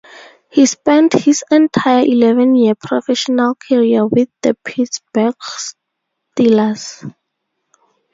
He spent his entire eleven-year professional career with the Pittsburgh Steelers.